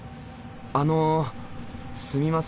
あのすみません